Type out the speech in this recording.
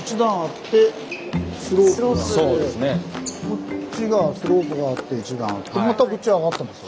こっちがスロープがあって一段あってまたこっち上がってますよね。